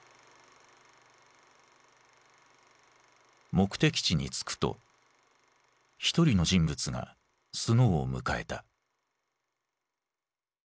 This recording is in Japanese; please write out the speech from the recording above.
目的地に着くと一人の人物がスノーを迎えた。